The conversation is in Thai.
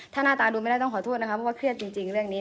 ถ้าหน้าตาดูไม่ได้ต้องขอโทษนะคะเพราะว่าเครียดจริงเรื่องนี้